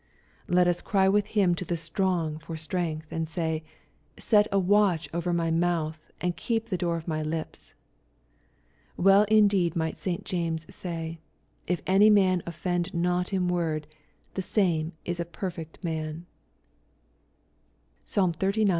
Let us ciy with him to the Strong for strength, and say, " Set a watch over my mouth, and keep the door of my lips." Well indeed might St. James gay, " K any man offend not in word, the same is a perfect man/' (Psal. xxxix. 1, cxli.